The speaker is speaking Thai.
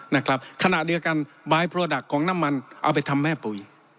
นะครับขณะเดียวกันของน้ำมันเอาไปทำแม่ปุ๋ย